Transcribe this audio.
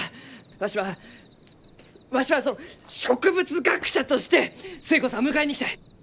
わしはわしは植物学者として寿恵子さんを迎えに行きたい！